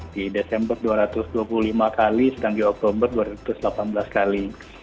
di desember dua ratus dua puluh lima kali sedang di oktober dua ratus delapan belas kali